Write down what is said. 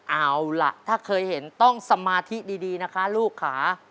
เอาล่ะถ้าเคยเห็นต้องสมาธิดีนะคะลูกค่ะ